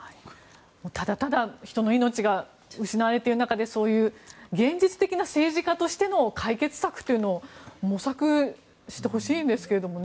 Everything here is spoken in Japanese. ただただ人の命が失われている中でそういう現実的な政治家としての解決策というのを模索してほしいんですけどね。